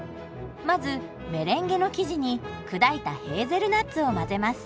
まずメレンゲの生地に砕いたへーゼルナッツを混ぜます。